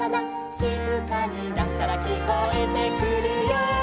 「しずかになったらきこえてくるよ」